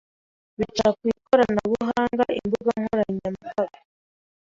bica ku ikoranabuhanga, imbuga nkoranyambaga